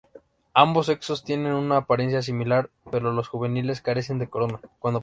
Ambos sexos tienen una apariencia similar, pero los juveniles carecen de corona.